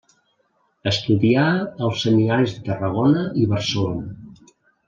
Estudià als seminaris de Tarragona i Barcelona.